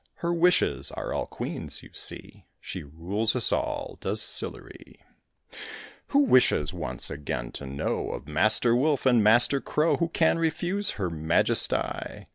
Her wishes are all queens, you see; She rules us all, does Sillery; Who wishes once again to know Of Master Wolf, and Master Crow. Who can refuse her majesty?